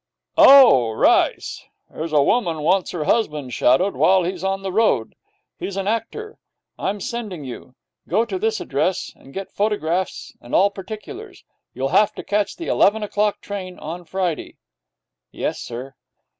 'Oh, Rice, here's a woman wants her husband shadowed while he's on the road. He's an actor. I'm sending you. Go to this address, and get photographs and all particulars. You'll have to catch the eleven o'clock train on Friday.' 'Yes, sir.'